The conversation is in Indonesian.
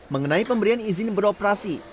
mengenai pemberian izin beroperasi